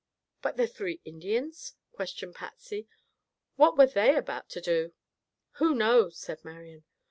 "But the three Indians?" questioned Patsy. "What were they about to do?" "Who knows?" said Marian.